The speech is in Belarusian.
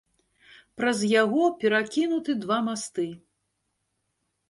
Праз яго перакінуты два масты.